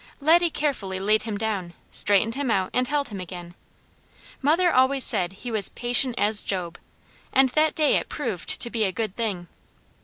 Laddie carefully laid him down, straightened him out and held him again. Mother always said he was "patient as Job," and that day it proved to be a good thing.